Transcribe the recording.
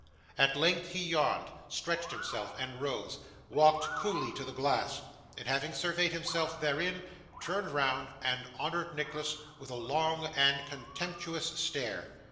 At length he yawned, stretched himself, and rose; walked coolly to the glass, and having surveyed himself therein, turned round and honoured Nicholas with a long and contemptuous stare.